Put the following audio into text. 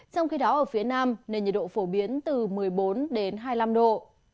trong khi đó ở phía nam nền nhiệt độ phổ biến từ một mươi bốn đến hai mươi năm độ